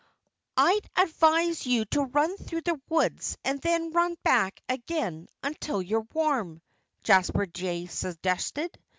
"I'd advise you to run through the woods, and then run back again, until you get warm," Jasper Jay suggested.